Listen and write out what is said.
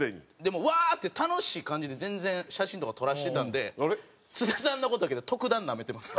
もううわー！って楽しい感じで全然写真とか撮らせてたんで津田さんの事だけ特段ナメてます。